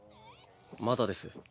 まだです。